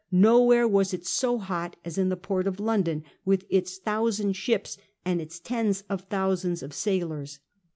Nowhere was it so hot as in the port of London, with its thousand ships and its tens of thousands of sailors.